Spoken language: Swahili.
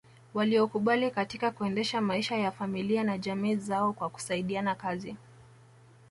Walioukubali katika kuendesha maisha ya familia na jamii zao kwa kusaidiana kazi